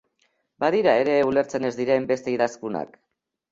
Badira ere ulertzen ez diren beste idazkunak.